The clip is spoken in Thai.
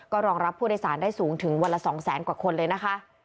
รองรับผู้โดยสารได้สูงถึงวันละ๒แสนกว่าคนเลยนะคะ